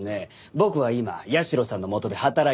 僕は今社さんの下で働いてます。